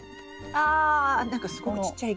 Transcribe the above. あ何かすごくちっちゃい。